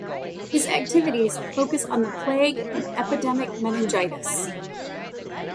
His activities focus on the plague and epidemic meningitis.